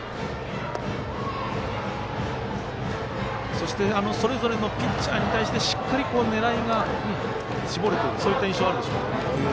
そして、それぞれのピッチャーに対してしっかり狙いが絞れているそういった印象あるでしょうか。